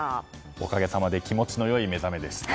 おかげさまで気持ちの良い目覚めでした。